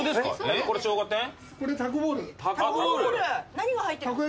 何が入ってるんですか？